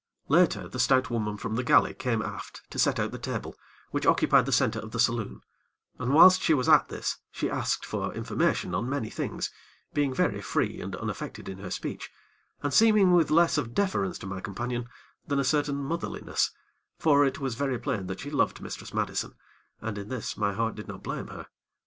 Later, the stout woman from the galley came aft to set out the table, which occupied the center of the saloon, and whilst she was at this, she asked for information on many things, being very free and unaffected in her speech, and seeming with less of deference to my companion, than a certain motherliness; for it was very plain that she loved Mistress Madison, and in this my heart did not blame her.